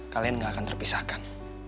kalian gak akan terpisahkan